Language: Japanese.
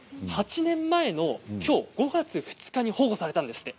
８年前のきょう、５月２日に保護されたんですって。